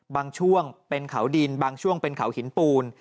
บางช่วงเป็นเขาดินบางช่วงเป็นเขาหินปูน